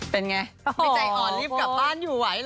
เป็นไงไม่ใจอ่อนรีบกลับบ้านอยู่ไหวเหรอ